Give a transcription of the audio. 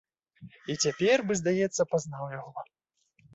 І цяпер бы, здаецца, пазнаў яго.